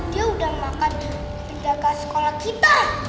dia udah makan pendekat sekolah kita